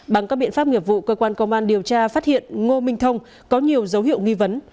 bằng các biện pháp nghiệp vụ cơ quan công an điều tra phát hiện ngô minh thông có nhiều dấu hiệu nghi vấn